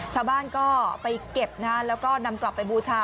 ชาวบ้านก็ไปเก็บนะแล้วก็นำกลับไปบูชา